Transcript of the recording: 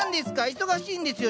忙しいんですよ